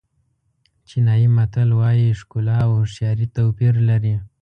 چینایي متل وایي ښکلا او هوښیاري توپیر لري.